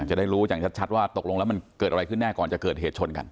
จะได้รู้อย่างชัดว่าตกลงแล้วมันเกิดอะไรขึ้นแน่ก่อนจะเกิดเหตุชนกัน